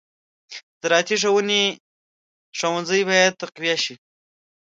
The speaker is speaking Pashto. د زراعتي ښوونې ښوونځي باید تقویه شي.